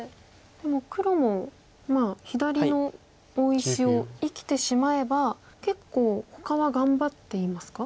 でも黒も左の大石を生きてしまえば結構ほかは頑張っていますか？